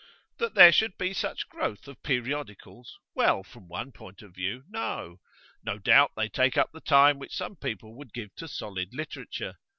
'That there should be such growth of periodicals? Well, from one point of view, no. No doubt they take up the time which some people would give to solid literature.